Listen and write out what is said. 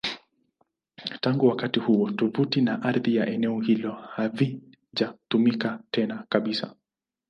Tangu wakati huo, tovuti na ardhi ya eneo hilo havijatumika tena kabisa.